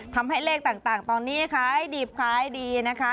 ทำให้เลขต่างตอนนี้ขายดิบขายดีนะคะ